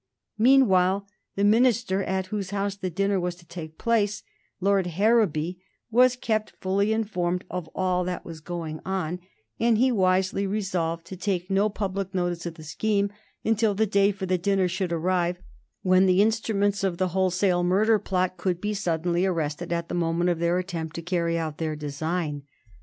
Meanwhile the minister at whose house the dinner was to take place, Lord Harrowby, was kept fully informed of all that was going on, and he wisely resolved to take no public notice of the scheme until the day for the dinner should arrive, when the instruments of the wholesale murder plot could be suddenly arrested at the moment of their attempt to carry out their design.